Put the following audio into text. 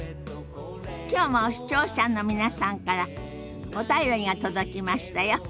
きょうも視聴者の皆さんからお便りが届きましたよ。